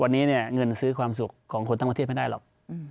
วันนี้เนี่ยเงินซื้อความสุขของคนทั้งประเทศไม่ได้หรอก